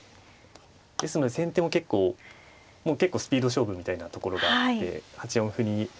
ですので先手も結構もう結構スピード勝負みたいなところがあって８四歩にうん。